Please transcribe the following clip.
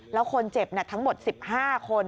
แล้วคนเจ็บทั้งหมด๑๕คน